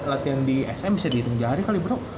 latihan di sm bisa dihitung jari kali bro